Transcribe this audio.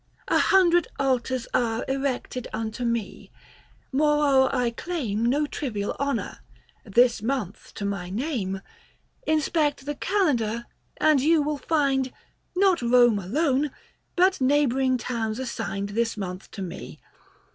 A hundred altars are Erected unto me ; moreo'er I claim, 65 No trivial honour, this month to my name. Inspect the kalendar, and you will find Not Home alone, but neighbouring towns assigned This month to me.